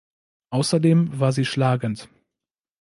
Außerdem war sie schlagend.